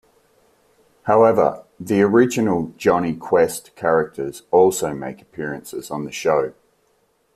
However, the original "Jonny Quest" characters also make appearances on the show.